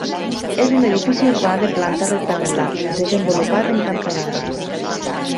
És un edifici urbà de planta rectangular desenvolupat en cantonada.